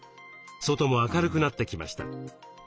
外も明るくなってきました。